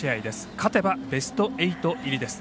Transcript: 勝てばベスト８入りです。